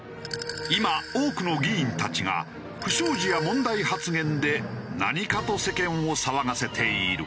今多くの議員たちが不祥事や問題発言で何かと世間を騒がせている。